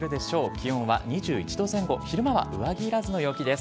気温は２１度前後、昼間は上着いらずの陽気です。